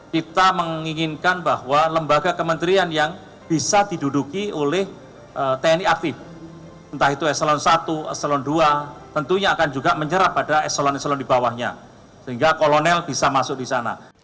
kita menginginkan bahwa lembaga kementerian yang bisa diduduki oleh tni aktif entah itu eselon satu eselon dua tentunya akan juga menyerap pada eselon eselon di bawahnya sehingga kolonel bisa masuk di sana